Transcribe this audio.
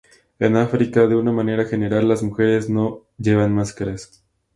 En África, de una manera general, las mujeres no llevan máscaras.